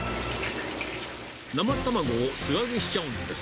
生卵を素揚げしちゃうんです。